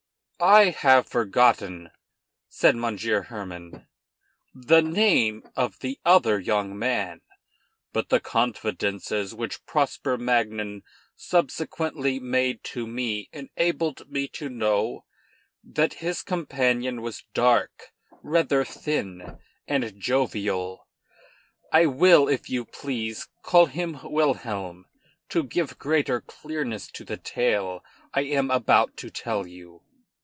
"I have forgotten," said Monsieur Hermann, "the name of the other young man. But the confidences which Prosper Magnan subsequently made to me enabled me to know that his companion was dark, rather thin, and jovial. I will, if you please, call him Wilhelm, to give greater clearness to the tale I am about to tell you."